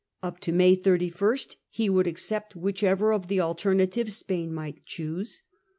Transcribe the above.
Up to May 31 he would accept whichever of the * alternatives 9 Spain might choose.